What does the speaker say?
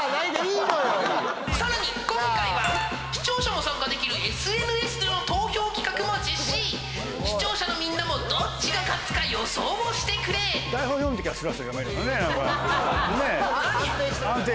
さらに今回は視聴者も参加できるＳＮＳでの投票企画も実施視聴者のみんなもどっちが勝つか予想をしてくれ安定してます